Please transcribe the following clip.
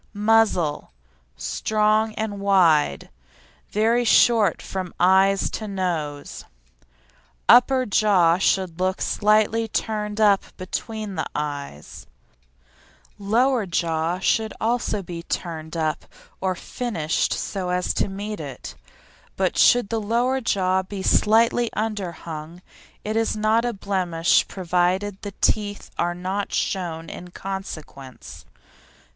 MUZZLE Strong and wide; very short from eyes to nose; upper jaw should look slightly turned up between the eyes; lower jaw should be also turned up or finished so as to meet it, but should the lower jaw be slightly underhung it is not a blemish provided the teeth are not shown in consequence.